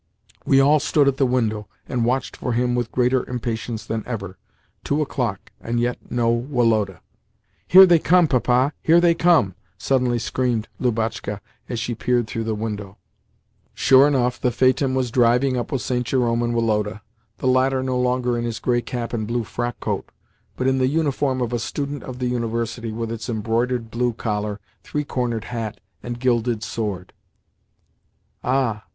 We all stood at the window, and watched for him with greater impatience than ever. Two o'clock, and yet no Woloda. "Here they come, Papa! Here they come!" suddenly screamed Lubotshka as she peered through the window. Sure enough the phaeton was driving up with St. Jerome and Woloda—the latter no longer in his grey cap and blue frockcoat, but in the uniform of a student of the University, with its embroidered blue collar, three cornered hat, and gilded sword. "Ah!